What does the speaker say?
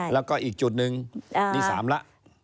แล้วก็อีกจุดหนึ่งนี่๓ละ